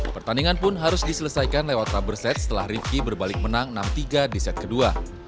pertandingan pun harus diselesaikan lewat rubber set setelah rivki berbalik menang enam tiga di set kedua